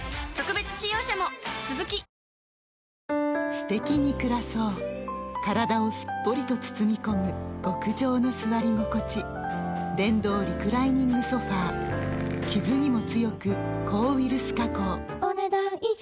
すてきに暮らそう体をすっぽりと包み込む極上の座り心地電動リクライニングソファ傷にも強く抗ウイルス加工お、ねだん以上。